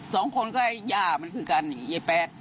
สองคนก็ย่ามันคือกันไอ้แป๊ก